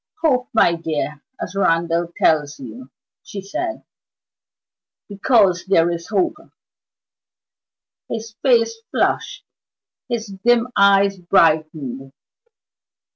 "Hope, my dear, as Randal tells you," she said, "because there is hope." His face flushed, his dim eyes brightened.